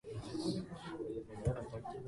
河北省の省都は石家荘である